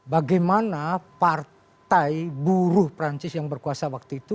bagaimana partai buruh perancis yang berkuasa waktu itu